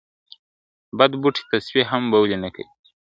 بد بوټي ته سپي هم بولي نه کوي ..